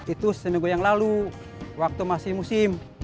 itu seminggu yang lalu waktu masih musim